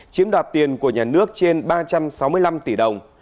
chiếm đoạt tiền của nhà nước trên ba trăm sáu mươi năm tỷ đồng